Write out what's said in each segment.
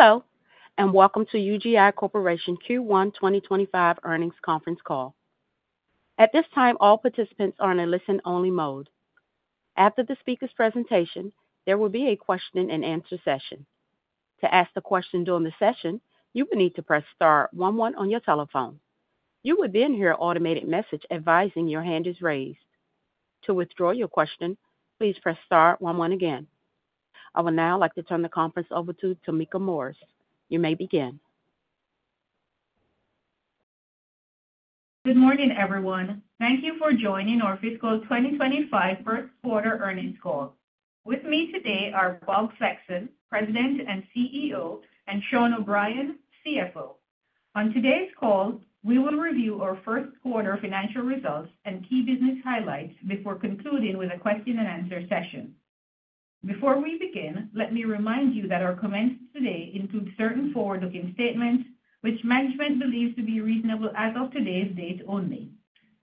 Hello, and welcome to UGI Corporation Q1 2025 earnings conference call. At this time, all participants are in a listen-only mode. After the speaker's presentation, there will be a question-and-answer session. To ask a question during the session, you will need to press star one one on your telephone. You will then hear an automated message advising your hand is raised. To withdraw your question, please press star one one again. I would now like to turn the conference over to Tameka Morris. You may begin. Good morning, everyone. Thank you for joining our Fiscal 2025 first-quarter earnings call. With me today are Bob Flexon, President and CEO, and Sean O'Brien, CFO. On today's call, we will review our first-quarter financial results and key business highlights before concluding with a question-and-answer session. Before we begin, let me remind you that our comments today include certain forward-looking statements, which management believes to be reasonable as of today's date only.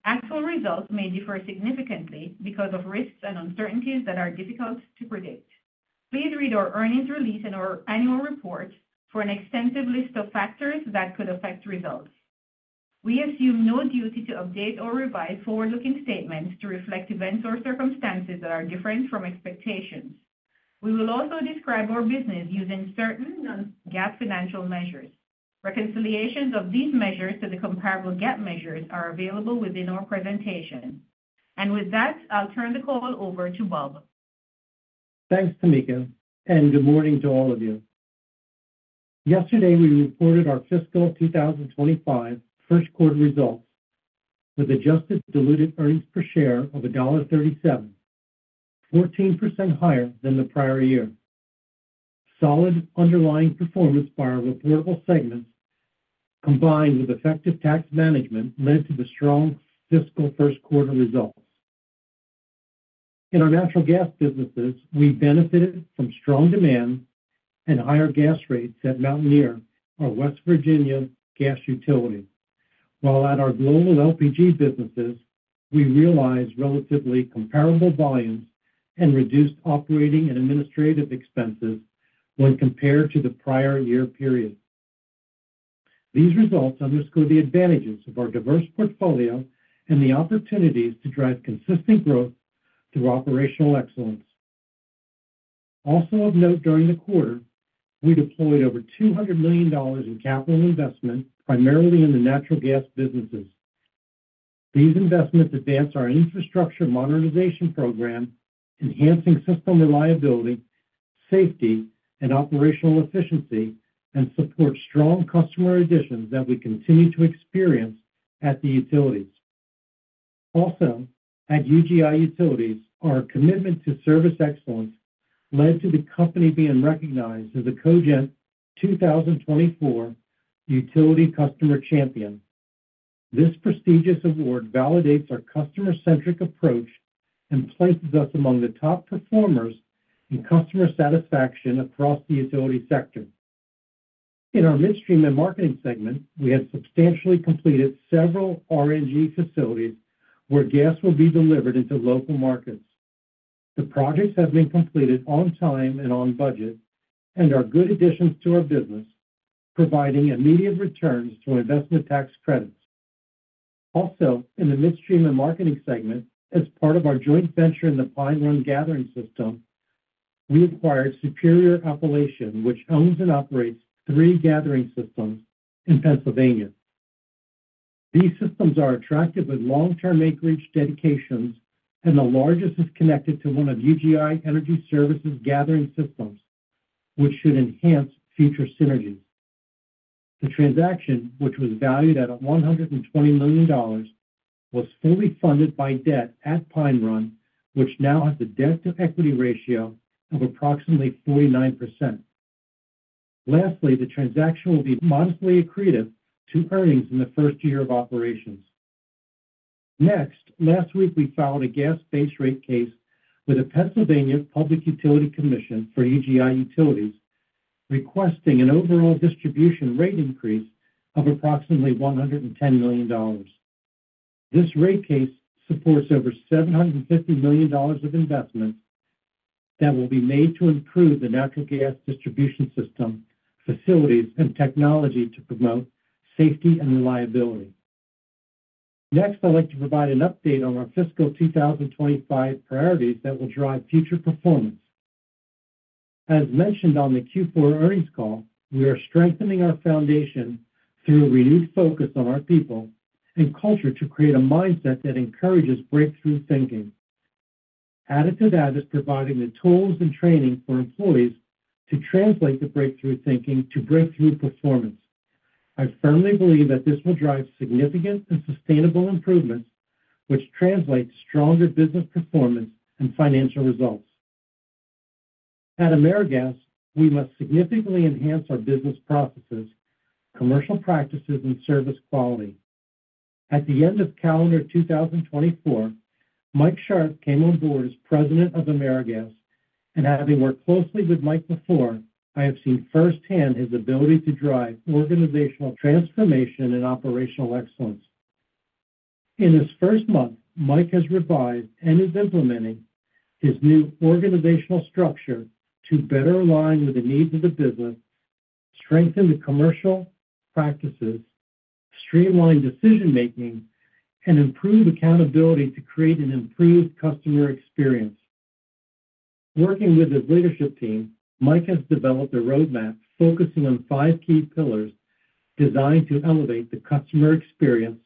Actual results may differ significantly because of risks and uncertainties that are difficult to predict. Please read our earnings release and our annual report for an extensive list of factors that could affect results. We assume no duty to update or revise forward-looking statements to reflect events or circumstances that are different from expectations. We will also describe our business using certain non-GAAP financial measures. Reconciliations of these measures to the comparable GAAP measures are available within our presentation, and with that, I'll turn the call over to Bob. Thanks, Tameka, and good morning to all of you. Yesterday, we reported our Fiscal 2025 first-quarter results with adjusted diluted earnings per share of $1.37, 14% higher than the prior year. Solid underlying performance by our reportable segments, combined with effective tax management, led to the strong fiscal first-quarter results. In our natural gas businesses, we benefited from strong demand and higher gas rates at Mountaineer, our West Virginia gas utility, while at our global LPG businesses, we realized relatively comparable volumes and reduced operating and administrative expenses when compared to the prior year period. These results underscored the advantages of our diverse portfolio and the opportunities to drive consistent growth through operational excellence. Also of note, during the quarter, we deployed over $200 million in capital investment, primarily in the natural gas businesses. These investments advance our infrastructure modernization program, enhancing system reliability, safety, and operational efficiency, and support strong customer additions that we continue to experience at the utilities. Also, at UGI Utilities, our commitment to service excellence led to the company being recognized as the Cogent 2024 Utility Customer Champion. This prestigious award validates our customer-centric approach and places us among the top performers in customer satisfaction across the utility sector. In our midstream and marketing segment, we have substantially completed several R&G facilities where gas will be delivered into local markets. The projects have been completed on time and on budget and are good additions to our business, providing immediate returns through investment tax credits. Also, in the midstream and marketing segment, as part of our joint venture in the Pine Run Gathering System, we acquired Superior Appalachian, which owns and operates three gathering systems in Pennsylvania. These systems are attractive with long-term acreage dedications, and the largest is connected to one of UGI Energy Services' gathering systems, which should enhance future synergies. The transaction, which was valued at $120 million, was fully funded by debt at Pine Run, which now has a debt-to-equity ratio of approximately 49%. Lastly, the transaction will be modestly accretive to earnings in the first year of operations. Next, last week, we filed a gas base rate case with the Pennsylvania Public Utility Commission for UGI Utilities, requesting an overall distribution rate increase of approximately $110 million. This rate case supports over $750 million of investment that will be made to improve the natural gas distribution system, facilities, and technology to promote safety and reliability. Next, I'd like to provide an update on our Fiscal 2025 priorities that will drive future performance. As mentioned on the Q4 earnings call, we are strengthening our foundation through a renewed focus on our people and culture to create a mindset that encourages breakthrough thinking. Added to that is providing the tools and training for employees to translate the breakthrough thinking to breakthrough performance. I firmly believe that this will drive significant and sustainable improvements, which translate to stronger business performance and financial results. At AmeriGas, we must significantly enhance our business processes, commercial practices, and service quality. At the end of calendar 2024, Mike Sharp came on board as President of AmeriGas, and having worked closely with Mike before, I have seen firsthand his ability to drive organizational transformation and operational excellence. In this first month, Mike has revised and is implementing his new organizational structure to better align with the needs of the business, strengthen the commercial practices, streamline decision-making, and improve accountability to create an improved customer experience. Working with his leadership team, Mike has developed a roadmap focusing on five key pillars designed to elevate the customer experience,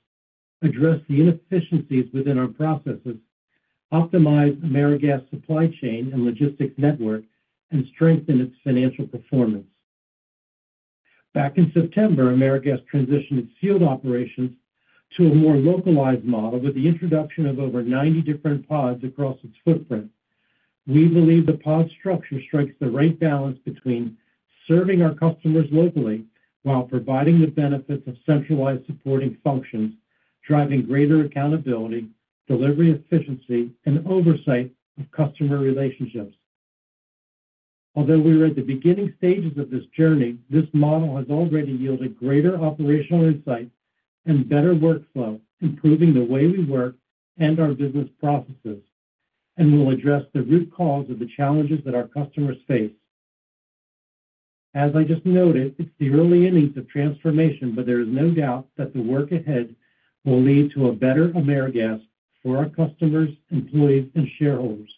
address the inefficiencies within our processes, optimize AmeriGas' supply chain and logistics network, and strengthen its financial performance. Back in September, AmeriGas transitioned its field operations to a more localized model with the introduction of over 90 different pods across its footprint. We believe the pod structure strikes the right balance between serving our customers locally while providing the benefits of centralized supporting functions, driving greater accountability, delivery efficiency, and oversight of customer relationships. Although we are at the beginning stages of this journey, this model has already yielded greater operational insight and better workflow, improving the way we work and our business processes, and will address the root cause of the challenges that our customers face. As I just noted, it's the early innings of transformation, but there is no doubt that the work ahead will lead to a better AmeriGas for our customers, employees, and shareholders.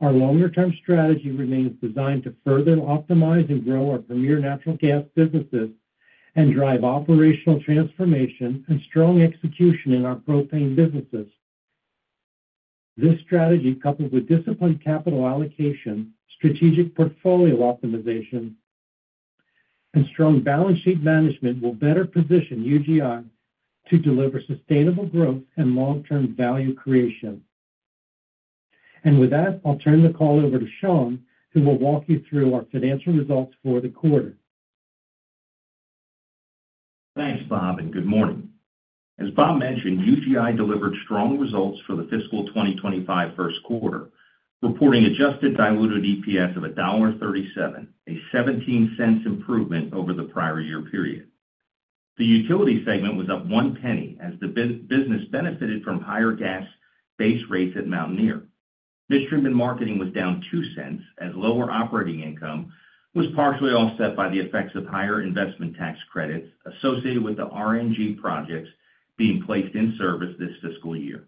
Our longer-term strategy remains designed to further optimize and grow our premier natural gas businesses and drive operational transformation and strong execution in our propane businesses. This strategy, coupled with disciplined capital allocation, strategic portfolio optimization, and strong balance sheet management, will better position UGI to deliver sustainable growth and long-term value creation. And with that, I'll turn the call over to Sean, who will walk you through our financial results for the quarter. Thanks, Bob, and good morning. As Bob mentioned, UGI delivered strong results for the fiscal 2025 first quarter, reporting adjusted diluted EPS of $1.37, a $0.17 improvement over the prior year period. The utility segment was up $0.01 as the business benefited from higher gas base rates at Mountaineer. Midstream and Marketing was down $0.02 as lower operating income was partially offset by the effects of higher investment tax credits associated with the R&G projects being placed in service this fiscal year.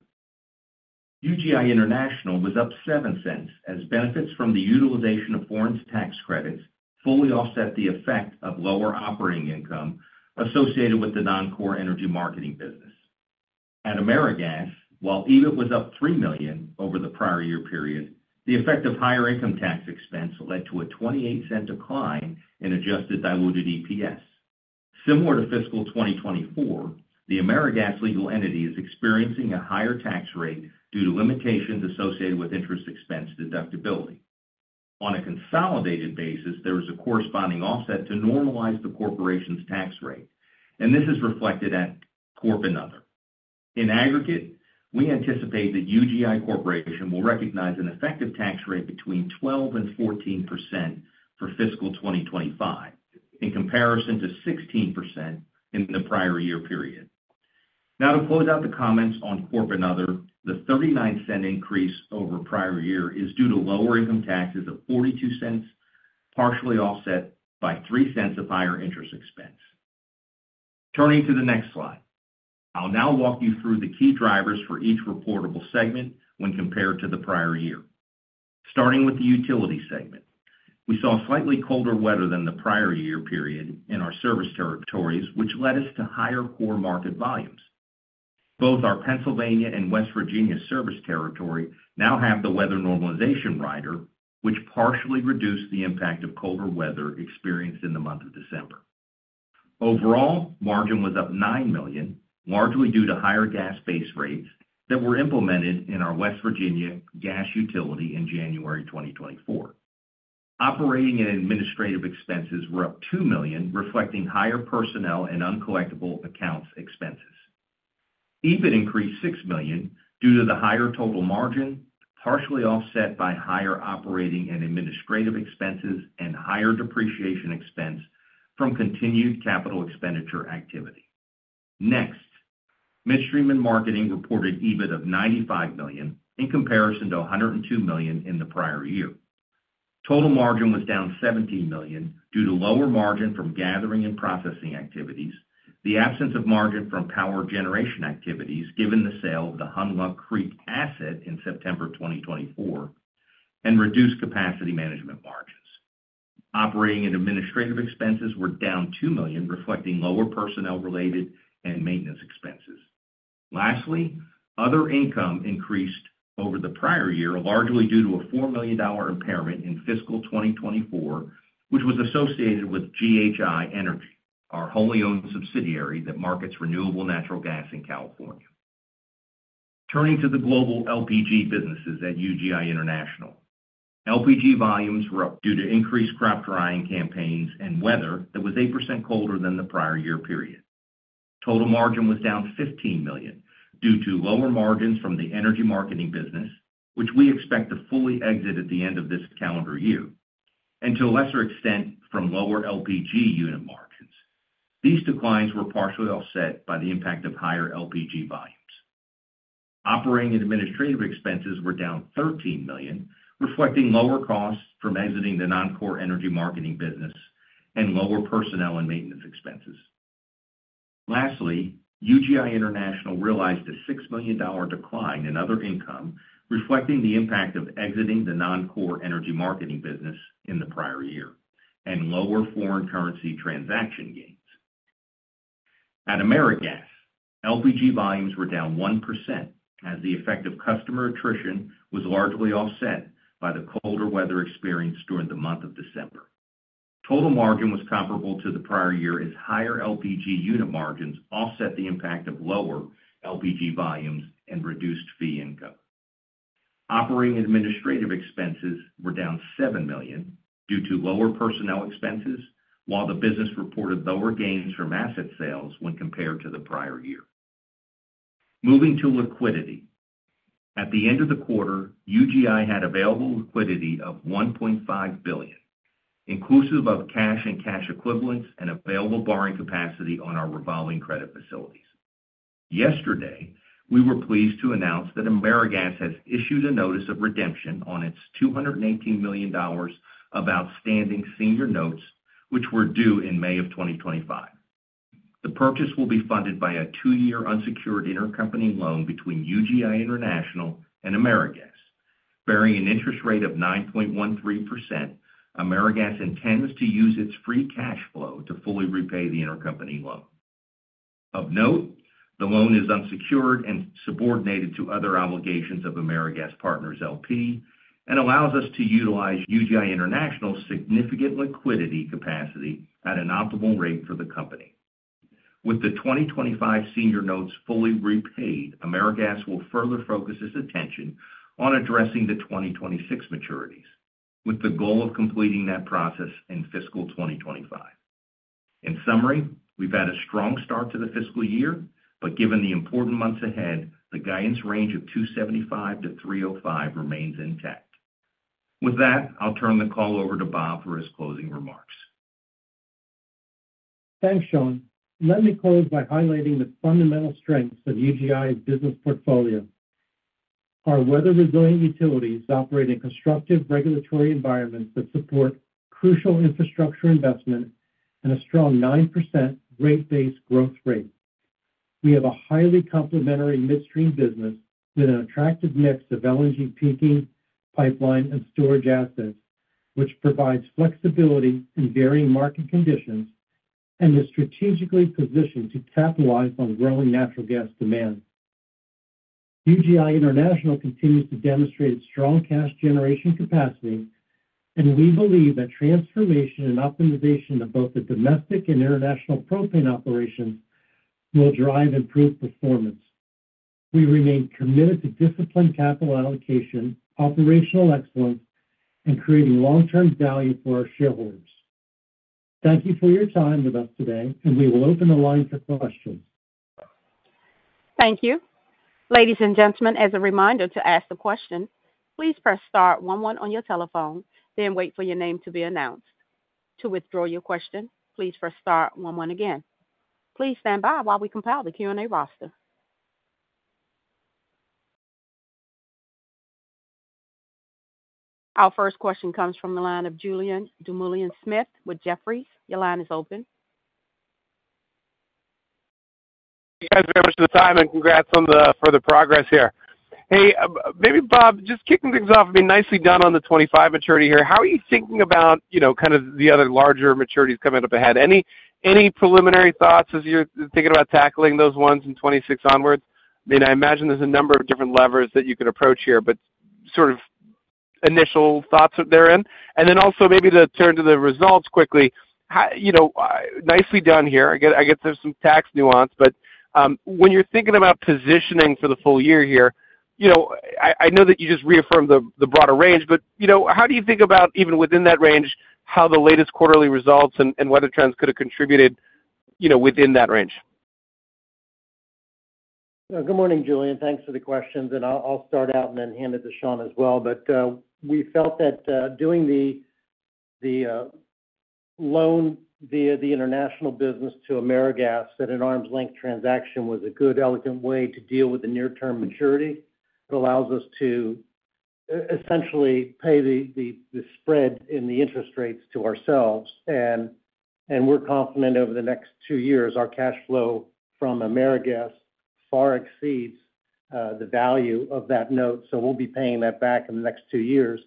UGI International was up $0.07 as benefits from the utilization of foreign tax credits fully offset the effect of lower operating income associated with the non-core energy marketing business. At AmeriGas, while EBIT was up $3 million over the prior year period, the effect of higher income tax expense led to a $0.28 decline in adjusted diluted EPS. Similar to Fiscal 2024, the AmeriGas legal entity is experiencing a higher tax rate due to limitations associated with interest expense deductibility. On a consolidated basis, there is a corresponding offset to normalize the corporation's tax rate, and this is reflected at Corp & Other. In aggregate, we anticipate that UGI Corporation will recognize an effective tax rate between 12% and 14% for Fiscal 2025, in comparison to 16% in the prior year period. Now, to close out the comments on Corp & Other, the $0.39 increase over prior year is due to lower income taxes of $0.42, partially offset by $0.03 of higher interest expense. Turning to the next slide, I'll now walk you through the key drivers for each reportable segment when compared to the prior year. Starting with the utility segment, we saw slightly colder weather than the prior year period in our service territories, which led us to higher core market volumes. Both our Pennsylvania and West Virginia service territory now have the weather normalization rider, which partially reduced the impact of colder weather experienced in the month of December. Overall, margin was up nine million, largely due to higher gas base rates that were implemented in our West Virginia gas utility in January 2024. Operating and administrative expenses were up two million, reflecting higher personnel and uncollectible accounts expenses. EBIT increased six million due to the higher total margin, partially offset by higher operating and administrative expenses and higher depreciation expense from continued capital expenditure activity. Next, Midstream and Marketing reported EBIT of $95 million in comparison to $102 million in the prior year. Total margin was down $17 million due to lower margin from gathering and processing activities, the absence of margin from power generation activities given the sale of the Hunlock Creek asset in September 2024, and reduced capacity management margins. Operating and administrative expenses were down $2 million, reflecting lower personnel-related and maintenance expenses. Lastly, other income increased over the prior year, largely due to a $4 million impairment in Fiscal 2024, which was associated with GHI Energy, our wholly owned subsidiary that markets renewable natural gas in California. Turning to the global LPG businesses at UGI International, LPG volumes were up due to increased crop drying campaigns and weather that was 8% colder than the prior year period. Total margin was down $15 million due to lower margins from the energy marketing business, which we expect to fully exit at the end of this calendar year, and to a lesser extent from lower LPG unit margins. These declines were partially offset by the impact of higher LPG volumes. Operating and administrative expenses were down $13 million, reflecting lower costs from exiting the non-core energy marketing business and lower personnel and maintenance expenses. Lastly, UGI International realized a $6 million decline in other income, reflecting the impact of exiting the non-core energy marketing business in the prior year and lower foreign currency transaction gains. At AmeriGas, LPG volumes were down 1% as the effect of customer attrition was largely offset by the colder weather experienced during the month of December. Total margin was comparable to the prior year as higher LPG unit margins offset the impact of lower LPG volumes and reduced fee income. Operating and administrative expenses were down $7 million due to lower personnel expenses, while the business reported lower gains from asset sales when compared to the prior year. Moving to liquidity, at the end of the quarter, UGI had available liquidity of $1.5 billion, inclusive of cash and cash equivalents and available borrowing capacity on our revolving credit facilities. Yesterday, we were pleased to announce that AmeriGas has issued a notice of redemption on its $218 million of outstanding senior notes, which were due in May of 2025. The purchase will be funded by a two-year unsecured intercompany loan between UGI International and AmeriGas. Bearing an interest rate of 9.13%, AmeriGas intends to use its free cash flow to fully repay the intercompany loan. Of note, the loan is unsecured and subordinated to other obligations of AmeriGas Partners, L.P. and allows us to utilize UGI International's significant liquidity capacity at an optimal rate for the company. With the 2025 senior notes fully repaid, AmeriGas will further focus its attention on addressing the 2026 maturities, with the goal of completing that process in Fiscal 2025. In summary, we've had a strong start to the fiscal year, but given the important months ahead, the guidance range of 275-305 remains intact. With that, I'll turn the call over to Bob for his closing remarks. Thanks, Sean. Let me close by highlighting the fundamental strengths of UGI's business portfolio. Our weather-resilient utilities operate in constructive regulatory environments that support crucial infrastructure investment and a strong 9% rate-base growth rate. We have a highly complementary midstream business with an attractive mix of LNG peaking, pipeline, and storage assets, which provides flexibility in varying market conditions and is strategically positioned to capitalize on growing natural gas demand. UGI International continues to demonstrate its strong cash generation capacity, and we believe that transformation and optimization of both the domestic and international propane operations will drive improved performance. We remain committed to disciplined capital allocation, operational excellence, and creating long-term value for our shareholders. Thank you for your time with us today, and we will open the line for questions. Thank you. Ladies and gentlemen, as a reminder to ask the question, please press star one one on your telephone, then wait for your name to be announced. To withdraw your question, please press star one one again. Please stand by while we compile the Q&A roster. Our first question comes from the line of Julien Dumoulin-Smith with Jefferies. Your line is open. Thank you guys very much for the time, and congrats on the further progress here. Hey, maybe, Bob, just kicking things off, I mean, nicely done on the 2025 maturity here. How are you thinking about, you know, kind of the other larger maturities coming up ahead? Any preliminary thoughts as you're thinking about tackling those ones in 2026 onwards? I mean, I imagine there's a number of different levers that you could approach here, but sort of initial thoughts therein. And then also maybe to turn to the results quickly, nicely done here. I get there's some tax nuance, but when you're thinking about positioning for the full year here, you know, I know that you just reaffirmed the broader range, but, you know, how do you think about, even within that range, how the latest quarterly results and weather trends could have contributed, you know, within that range? Good morning, Julien. Thanks for the questions. And I'll start out and then hand it to Sean as well. But we felt that doing the loan via the international business to AmeriGas at an arm's length transaction was a good, elegant way to deal with the near-term maturity. It allows us to essentially pay the spread in the interest rates to ourselves. And we're confident over the next two years, our cash flow from AmeriGas far exceeds the value of that note, so we'll be paying that back in the next two years.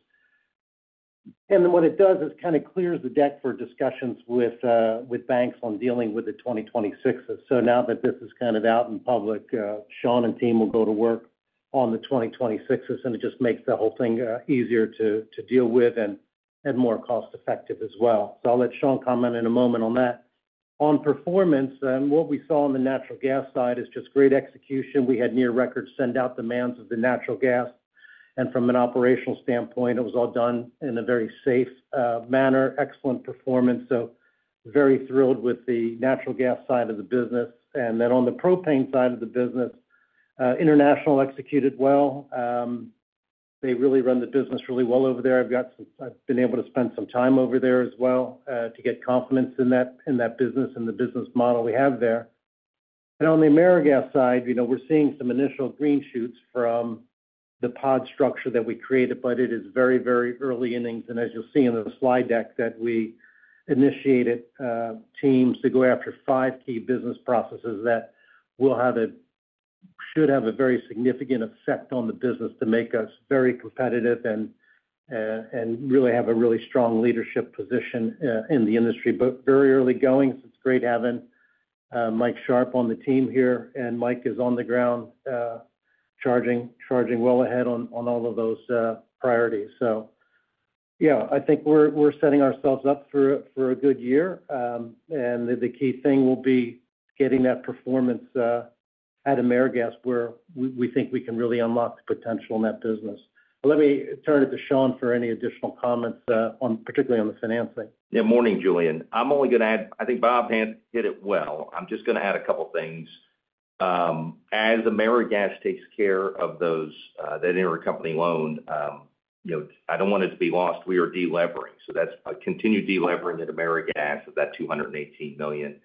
And then what it does is kind of clears the deck for discussions with banks on dealing with the 2026s. So now that this is kind of out in public, Sean and team will go to work on the 2026s, and it just makes the whole thing easier to deal with and more cost-effective as well. So I'll let Sean comment in a moment on that. On performance, what we saw on the natural gas side is just great execution. We had near-record send-out demands of the natural gas. And from an operational standpoint, it was all done in a very safe manner. Excellent performance. So very thrilled with the natural gas side of the business. And then on the propane side of the business, international executed well. They really run the business really well over there. I've been able to spend some time over there as well to get confidence in that business and the business model we have there. And on the AmeriGas side, you know, we're seeing some initial green shoots from the pod structure that we created, but it is very, very early innings. As you'll see in the slide deck that we initiated, teams to go after five key business processes that should have a very significant effect on the business to make us very competitive and really have a really strong leadership position in the industry. Very early goings, it's great having Mike Sharp on the team here. Mike is on the ground charging well ahead on all of those priorities. Yeah, I think we're setting ourselves up for a good year. The key thing will be getting that performance at AmeriGas where we think we can really unlock the potential in that business. Let me turn it to Sean for any additional comments, particularly on the financing. Yeah, morning, Julien. I'm only going to add, I think Bob hit it well. I'm just going to add a couple of things. As AmeriGas takes care of that intercompany loan, you know, I don't want it to be lost. We are deleveraging. So that's a continued deleveraging at AmeriGas of that $218 million.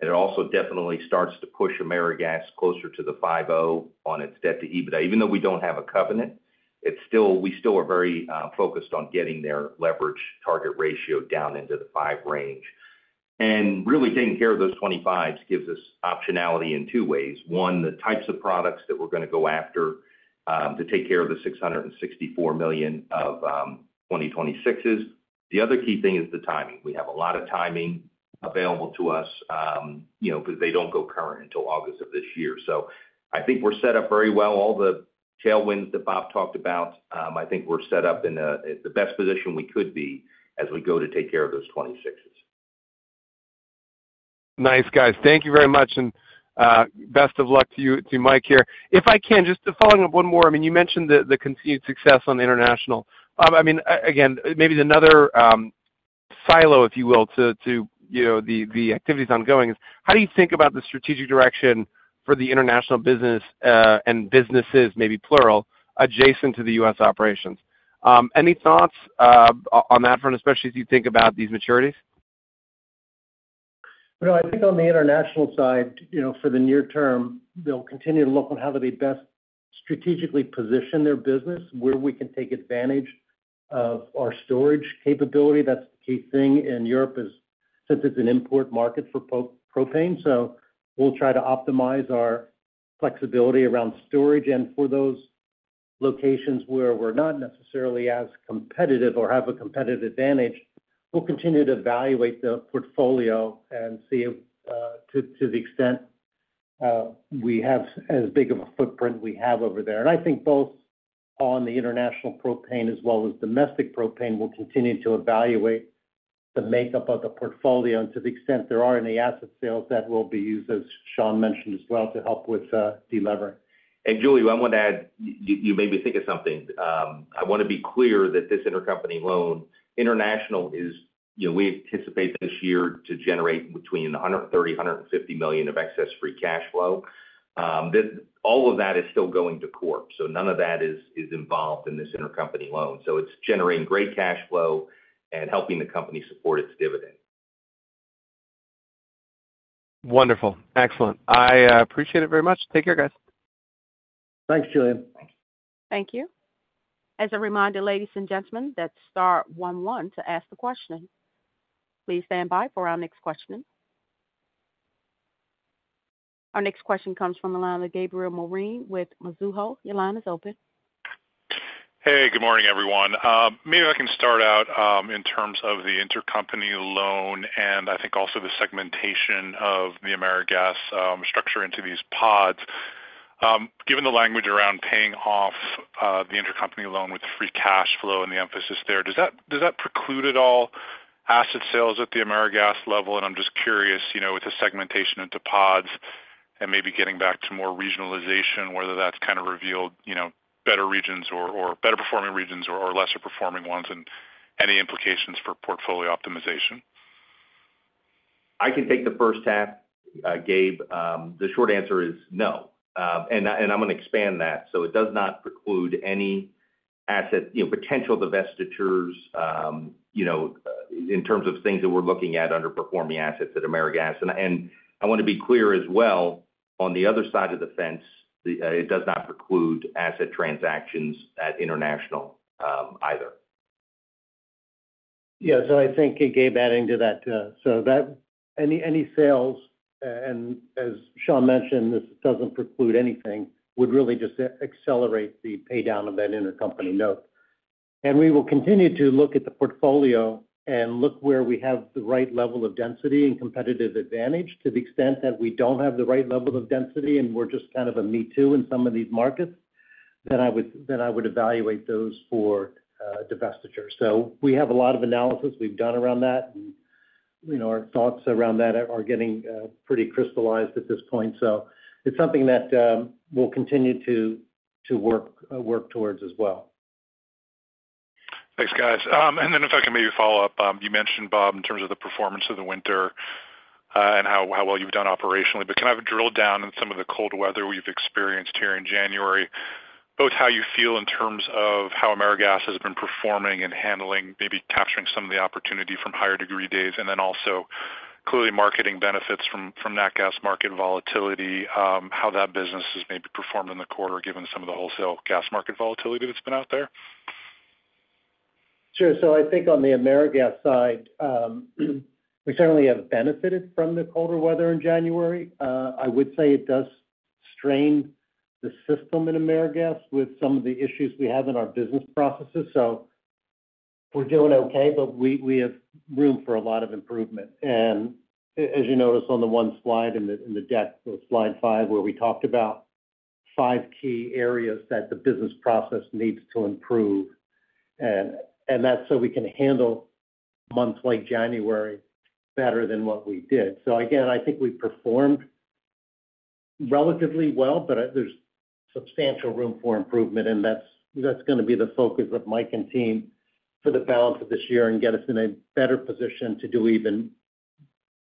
And it also definitely starts to push AmeriGas closer to the $5 millions on its debt-to-EBITDA. Even though we don't have a covenant, we still are very focused on getting their leverage target ratio down into the $5 million range. And really taking care of those $25 millions gives us optionality in two ways. One, the types of products that we're going to go after to take care of the $664 million of 2026s. The other key thing is the timing. We have a lot of timing available to us, you know, because they don't go current until August of this year. So I think we're set up very well. All the tailwinds that Bob talked about, I think we're set up in the best position we could be as we go to take care of those 2026s. Nice, guys. Thank you very much. And best of luck to you to Mike here. If I can, just following up one more, I mean, you mentioned the continued success on the international. I mean, again, maybe another silo, if you will, to the activities ongoing is, how do you think about the strategic direction for the international business and businesses, maybe plural, adjacent to the U.S. operations? Any thoughts on that front, especially as you think about these maturities? I think on the international side, you know, for the near term, they'll continue to look on how do they best strategically position their business, where we can take advantage of our storage capability. That's the key thing in Europe is since it's an import market for propane. So we'll try to optimize our flexibility around storage. And for those locations where we're not necessarily as competitive or have a competitive advantage, we'll continue to evaluate the portfolio and see to the extent as big of a footprint we have over there. And I think both on the international propane as well as domestic propane, we'll continue to evaluate the makeup of the portfolio and to the extent there are any asset sales that will be used, as Sean mentioned as well, to help with deleveraging. And, Julien, I want to add, you made me think of something. I want to be clear that this intercompany loan, international, is, you know, we anticipate this year to generate between $130 million-$150 million of excess free cash flow. All of that is still going to Corp. So none of that is involved in this intercompany loan. So it's generating great cash flow and helping the company support its dividend. Wonderful. Excellent. I appreciate it very much. Take care, guys. Thanks, Julien. Thank you. As a reminder, ladies and gentlemen, that's star one one to ask the question. Please stand by for our next question. Our next question comes from the line of Gabriel Moreen with Mizuho. Your line is open. Hey, good morning, everyone. Maybe I can start out in terms of the intercompany loan and I think also the segmentation of the AmeriGas structure into these pods. Given the language around paying off the intercompany loan with free cash flow and the emphasis there, does that preclude at all asset sales at the AmeriGas level? And I'm just curious, you know, with the segmentation into pods and maybe getting back to more regionalization, whether that's kind of revealed, you know, better regions or better-performing regions or lesser-performing ones and any implications for portfolio optimization? I can take the first half, Gabe. The short answer is no, and I'm going to expand that, so it does not preclude any asset, you know, potential divestitures, you know, in terms of things that we're looking at underperforming assets at AmeriGas, and I want to be clear as well, on the other side of the fence, it does not preclude asset transactions at International either. Yeah, so I think, Gabe, adding to that, so that any sales, and as Sean mentioned, this doesn't preclude anything, would really just accelerate the paydown of that intercompany note, and we will continue to look at the portfolio and look where we have the right level of density and competitive advantage to the extent that we don't have the right level of density and we're just kind of a me too in some of these markets, then I would evaluate those for divestiture, so we have a lot of analysis we've done around that, and, you know, our thoughts around that are getting pretty crystallized at this point, so it's something that we'll continue to work towards as well. Thanks, guys. And then if I can maybe follow up, you mentioned, Bob, in terms of the performance of the winter and how well you've done operationally. But can I have a drill down in some of the cold weather we've experienced here in January, both how you feel in terms of how AmeriGas has been performing and handling, maybe capturing some of the opportunity from higher degree days, and then also clearly marketing benefits from that gas market volatility, how that business has maybe performed in the quarter given some of the wholesale gas market volatility that's been out there? Sure, so I think on the AmeriGas side, we certainly have benefited from the colder weather in January. I would say it does strain the system in AmeriGas with some of the issues we have in our business processes, so we're doing okay, but we have room for a lot of improvement, and as you noticed on the one slide in the deck, slide five, where we talked about five key areas that the business process needs to improve, and that's so we can handle months like January better than what we did, so again, I think we performed relatively well, but there's substantial room for improvement, and that's going to be the focus of Mike and team for the balance of this year and get us in a better position to do even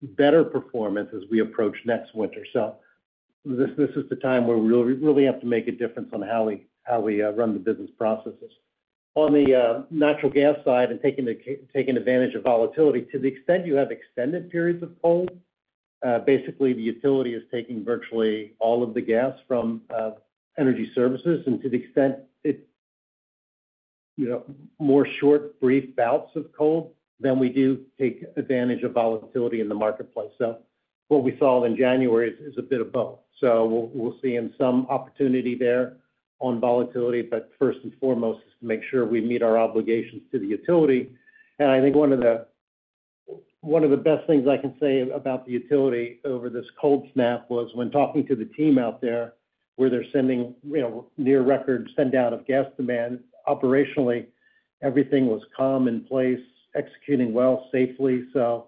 better performance as we approach next winter. This is the time where we really have to make a difference on how we run the business processes. On the natural gas side and taking advantage of volatility, to the extent you have extended periods of cold, basically the utility is taking virtually all of the gas from energy services and to the extent it, you know, more short, brief bouts of cold than we do take advantage of volatility in the marketplace. What we saw in January is a bit of both. We'll see some opportunity there on volatility, but first and foremost is to make sure we meet our obligations to the utility. I think one of the best things I can say about the utility over this cold snap was when talking to the team out there where they're sending, you know, near record send-out of gas demand, operationally, everything was calm in place, executing well, safely. You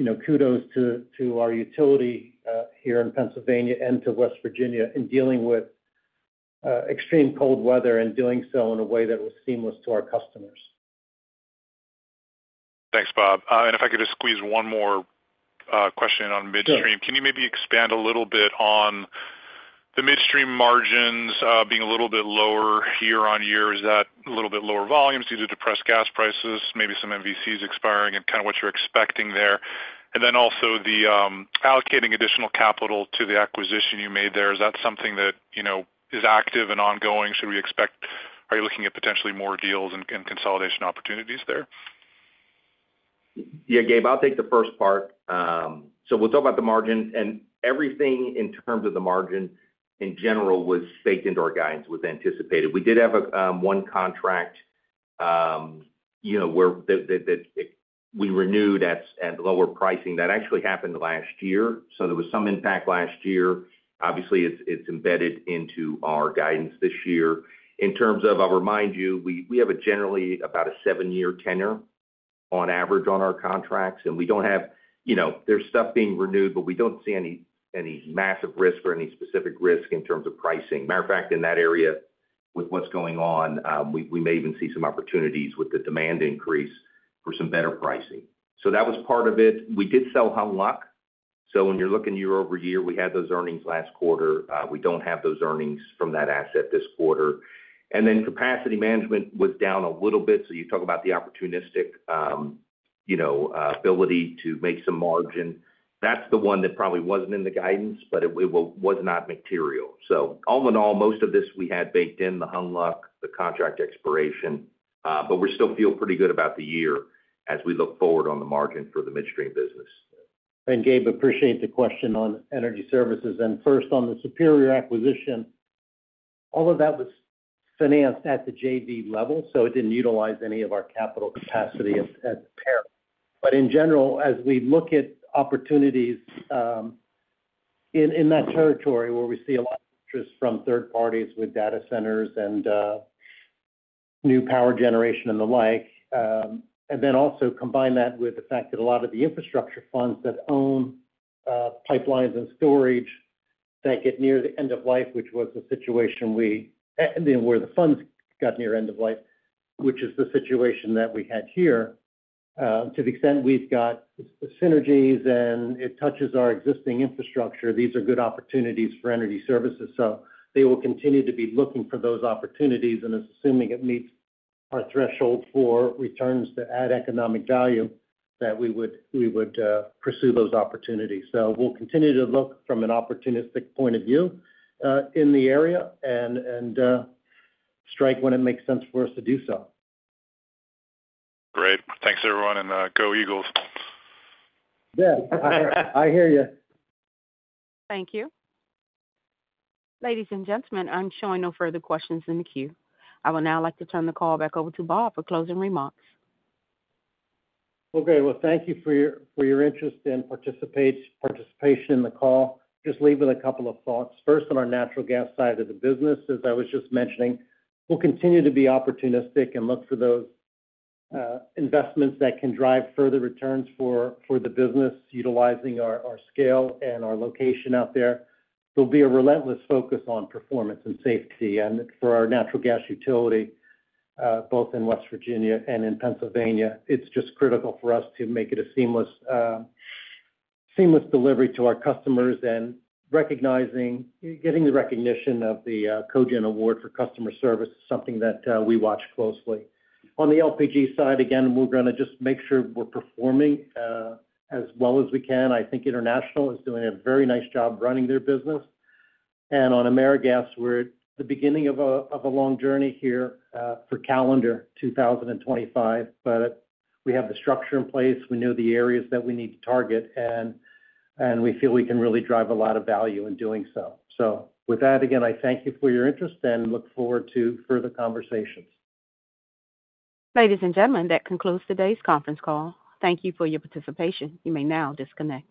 know, kudos to our utility here in Pennsylvania and to West Virginia in dealing with extreme cold weather and doing so in a waythat was seamless to our customers. Thanks, Bob, and if I could just squeeze one more question on midstream, can you maybe expand a little bit on the midstream margins being a little bit lower year on year? Is that a little bit lower volumes due to depressed gas prices, maybe some MVCs expiring and kind of what you're expecting there? And then also the allocating additional capital to the acquisition you made there, is that something that, you know, is active and ongoing? Should we expect, are you looking at potentially more deals and consolidation opportunities there? Yeah, Gabe, I'll take the first part, so we'll talk about the margin. And everything in terms of the margin in general was baked into our guidance with anticipated. We did have one contract, you know, where we renewed at lower pricing. That actually happened last year, so there was some impact last year. Obviously, it's embedded into our guidance this year. In terms of, I'll remind you, we have generally about a seven-year tenor on average on our contracts, and we don't have, you know, there's stuff being renewed, but we don't see any massive risk or any specific risk in terms of pricing. Matter of fact, in that area with what's going on, we may even see some opportunities with the demand increase for some better pricing, so that was part of it. We did sell Hunlock Creek. So when you're looking year over year, we had those earnings last quarter. We don't have those earnings from that asset this quarter. And then capacity management was down a little bit. So you talk about the opportunistic, you know, ability to make some margin. That's the one that probably wasn't in the guidance, but it was not material. So all in all, most of this we had baked in the Hunlock, the contract expiration, but we still feel pretty good about the year as we look forward on the margin for the midstream business. Gabe, appreciate the question on energy services. First, on the Superior acquisition, all of that was financed at the JV level. It didn't utilize any of our capital capacity at the parent. In general, as we look at opportunities in that territory where we see a lot of interest from third parties with data centers and new power generation and the like, and then also combine that with the fact that a lot of the infrastructure funds that own pipelines and storage that get near the end of life, which was the situation where the funds got near end of life, which is the situation that we had here, to the extent we've got synergies and it touches our existing infrastructure, these are good opportunities for energy services. They will continue to be looking for those opportunities. Assuming it meets our threshold for returns to add economic value, that we would pursue those opportunities. We'll continue to look from an opportunistic point of view in the area and strike when it makes sense for us to do so. Great. Thanks, everyone, and go, Eagles. Yeah, I hear you. Thank you. Ladies and gentlemen, I'm showing no further questions in the queue. I would now like to turn the call back over to Bob for closing remarks. Okay. Well, thank you for your interest and participation in the call. Just leave with a couple of thoughts. First, on our natural gas side of the business, as I was just mentioning, we'll continue to be opportunistic and look for those investments that can drive further returns for the business utilizing our scale and our location out there. There'll be a relentless focus on performance and safety, and for our natural gas utility, both in West Virginia and in Pennsylvania, it's just critical for us to make it a seamless delivery to our customers, and recognizing getting the recognition of the Cogent Award for customer service is something that we watch closely. On the LPG side, again, we're going to just make sure we're performing as well as we can. I think international is doing a very nice job running their business. On AmeriGas, we're at the beginning of a long journey here for calendar 2025, but we have the structure in place. We know the areas that we need to target, and we feel we can really drive a lot of value in doing so. So with that, again, I thank you for your interest and look forward to further conversations. Ladies and gentlemen, that concludes today's conference call. Thank you for your participation. You may now disconnect.